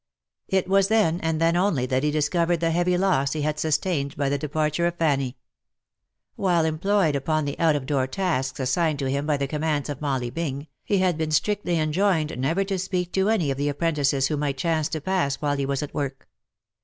It was then, and then only, that he discovered the heavy loss he had sus tained by the departure of Fanny. While employed upon the out of door tasks assigned to him by the commands of Molly Bing, he had been strictly enjoined never to speak to any of the apprentices who might chance to pass while he was at work.